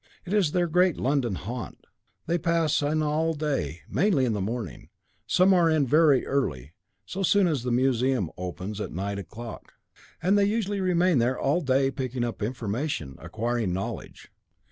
It is their great London haunt; they pass in all day, mainly in the morning some are in very early, so soon as the museum is open at nine o'clock. And they usually remain there all day picking up information, acquiring knowledge.'